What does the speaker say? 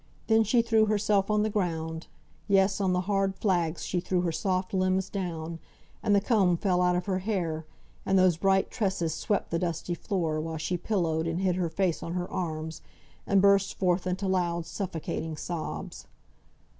Then she threw herself on the ground, yes, on the hard flags she threw her soft limbs down; and the comb fell out of her hair, and those bright tresses swept the dusty floor, while she pillowed and hid her face on her arms, and burst forth into hard, suffocating sobs.